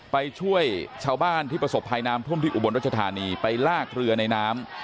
ไปช่วยชาวบ้านที่ประสบภัยนามพุ่มพลิกอุบรรณราชธานีไปลากเรือในน้ำ